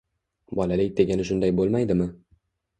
Bolalik degani shunday bo'lmaydimi?